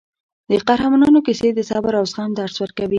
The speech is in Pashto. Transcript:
د قهرمانانو کیسې د صبر او زغم درس ورکوي.